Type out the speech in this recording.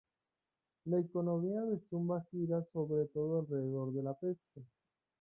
La economía de Sumba gira sobre todo alrededor de la pesca.